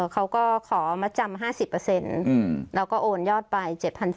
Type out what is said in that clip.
เขาก็ขอมัดจำ๕๐แล้วก็โอนยอดไป๗๘๐๐